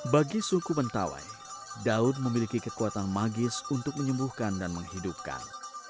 bagi suku mentawai daun memiliki kekuatan magis untuk menyembuhkan dan menghidupkan